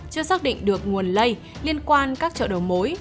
chưa xác định được nguồn lây liên quan các chợ đầu mối